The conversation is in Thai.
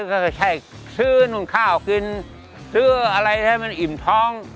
ก็ใช่ซื้อนู่นข้าวกินซื้ออะไรให้มันอิ่มท้อง